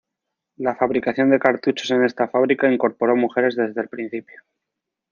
La fabricación de cartuchos en esta fábrica incorporó mujeres desde el principio.